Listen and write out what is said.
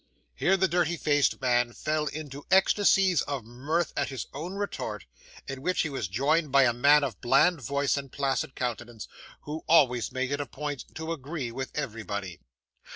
Here the dirty faced man fell into ecstasies of mirth at his own retort, in which he was joined by a man of bland voice and placid countenance, who always made it a point to agree with everybody.